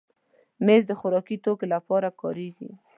مېز د خوراکي توکو لپاره کارېږي.